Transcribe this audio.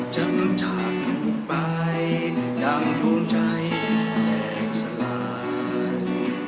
จำจากลูกไปอย่างโยงใจแหลกสลาย